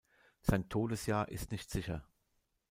Sein Todesjahr ist nicht sicher.